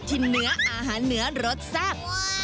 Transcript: ที่เนื้ออาหารเหนือรสแซ่บ